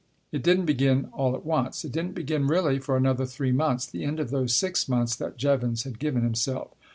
It didn't begin all at once. It didn't begin, really, for another three months, the end of those six months that Jevons had given himself.